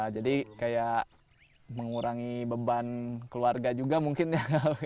jadi kayak mengurangi beban keluarga juga mungkin ya